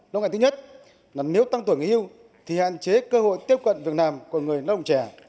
lo ngại thứ nhất là nếu tăng tuổi nghỉ hưu thì hạn chế cơ hội tiếp cận việc làm của người lao động trẻ